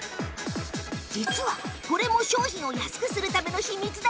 実はこれも商品を安くするための秘密だったんです